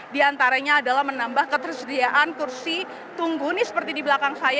di antaranya adalah menambah ketersediaan kursi tunggu ini seperti di belakang saya